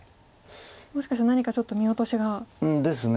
もしかして何かちょっと見落としが。ですね。